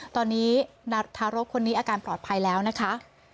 ตอนนี้ทารกคนนี้อาการปลอดภัยแล้วนะคะ